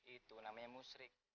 itu namanya musrik